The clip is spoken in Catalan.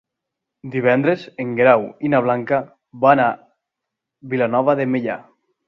Divendres en Guerau i na Blanca van a Vilanova de Meià.